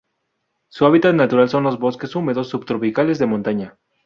Su hábitat natural son los bosques húmedos subtropicales de montaña.